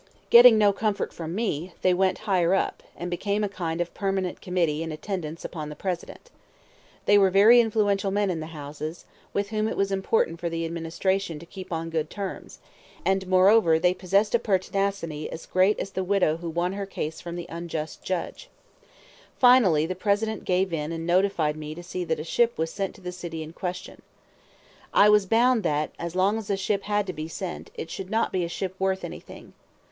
Getting no comfort from me, they went "higher up," and became a kind of permanent committee in attendance upon the President. They were very influential men in the Houses, with whom it was important for the Administration to keep on good terms; and, moreover, they possessed a pertinacity as great as the widow who won her case from the unjust judge. Finally the President gave in and notified me to see that a ship was sent to the city in question. I was bound that, as long as a ship had to be sent, it should not be a ship worth anything.